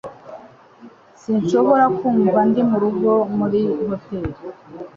Sinshobora kumva ndi murugo muri hoteri